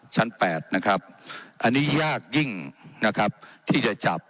แปดนะครับอันนี้ยากยิ่งนะครับที่จะจับ